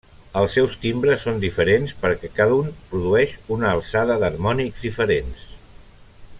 Els seus timbres són diferents perquè cada un produeix una alçada d'harmònics diferents.